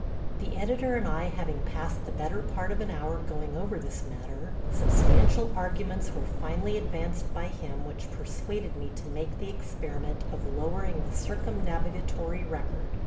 The editor and I having passed the better part of an hour going over this matter, substantial arguments were finally advanced by him which persuaded me to make the experiment of lowering the circumnavigatory record.